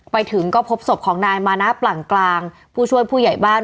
ไปถึงก็พบศพของนายมานะปลั่งกลางผู้ช่วยผู้ใหญ่บ้าน